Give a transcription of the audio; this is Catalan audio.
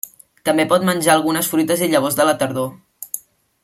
També pot menjar algunes fruites i llavors a la tardor.